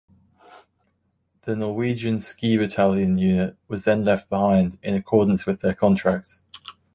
The Norwegian Ski-Battalion unit was then left behind, in accordance with their contracts.